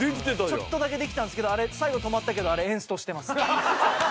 ちょっとだけできたんですけどあれ、最後止まったけどあれ、エンストしてます。